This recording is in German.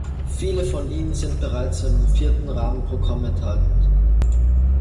Viele von ihnen sind bereits im vierten Rahmenprogramm enthalten.